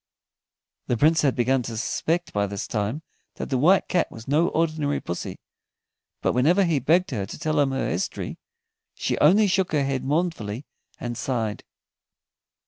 The Prince had begun to suspect by this time that the White Cat was no ordinary pussy, but whenever he begged her to tell him her history, she only shook her head mournfully and sighed.